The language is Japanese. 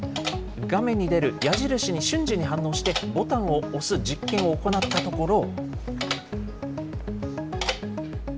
画面に出る矢印に瞬時に反応してボタンを押す実験を行ったところ。